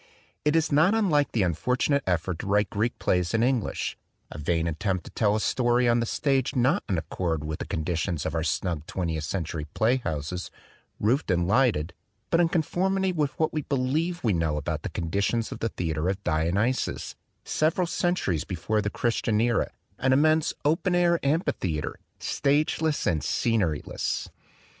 It is not unlike the unfortunate effort to write Greek plays in Eng lish, a vain attempt to tell a story on the stage not in accord with the conditions of our snug twentieth century playhouses, roofed and lighted, but in conformity with what we believe we know about the conditions of the theater of Dionysus, several centuries before the Christian era, an immense open air amphitheater, stage less and scenery less.